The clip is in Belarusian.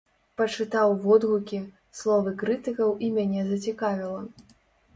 Пачытаў водгукі, словы крытыкаў і мяне зацікавіла.